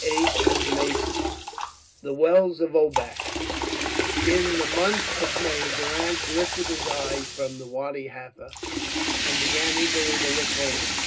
CHAPTER X THE WELLS OF OBAK In that month of May Durrance lifted his eyes from Wadi Halfa and began eagerly to look homeward.